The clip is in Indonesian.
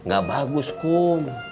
gak bagus kum